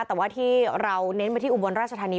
แต่ว่าที่เราเน้นไปที่อุบลราชธานี